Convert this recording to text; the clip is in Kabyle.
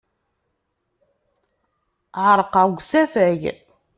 Ɛerqeɣ deg usafag.